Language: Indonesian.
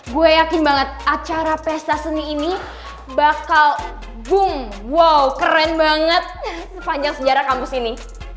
gue yakin banget acara pesta seni ini bakal boom wow keren banget sepanjang sejarah kampus ini